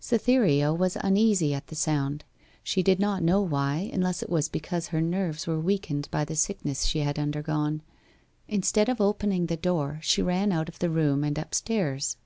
Cytherea was uneasy at the sound she did not know why, unless it was because her nerves were weakened by the sickness she had undergone. Instead of opening the door she ran out of the room, and upstairs.